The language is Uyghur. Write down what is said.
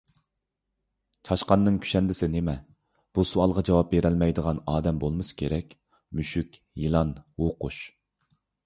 چاشقاننىڭ كۈشەندىسى نېمە؟ بۇ سوئالغان جاۋاب بېرەلمەيدىغان ئادەم بولمىسا كېرەك: مۈشۈك، يىلان، ھۇۋقۇش.